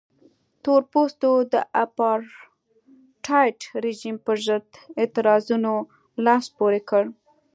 تور پوستو د اپارټایډ رژیم پرضد اعتراضونو لاس پورې کړ.